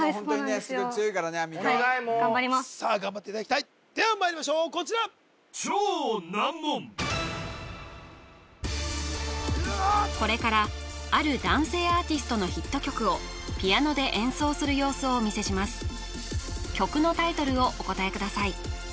すごい強いからねアンミカははい頑張りますさあ頑張っていただきたいではまいりましょうこちらこれからある男性アーティストのヒット曲をピアノで演奏する様子をお見せします曲のタイトルをお答えください